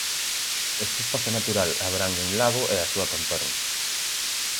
Este espazo natural abrangue un lago e a súa contorna.